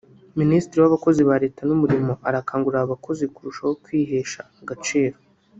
Minisitiri w’abakozi ba Leta n’umurimo arakangurira ababakozi kurushaho kwihesha agaciro